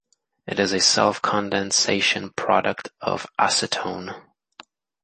It is a self-condensation product of acetone.